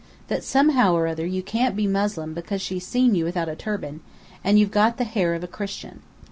That somehow or other you can't be Moslem because she's seen you without a turban, and you've got the hair of a Christian.